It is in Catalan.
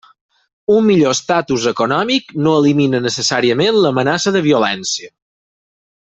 Un millor estatus econòmic no elimina necessàriament l'amenaça de violència.